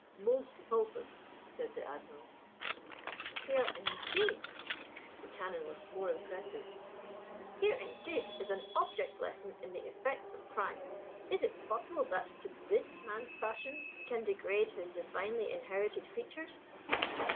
"Most repulsive!" said the Admiral. "Here indeed," the Canon was more impressive, "here indeed is an object lesson in the effects of crime! Is it possible that to this Man's passions can degrade his divinely inherited features?